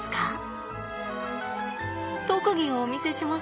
特技をお見せします。